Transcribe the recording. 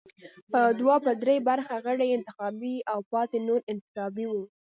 دوه پر درې برخه غړي یې انتخابي او پاتې نور انتصابي وو.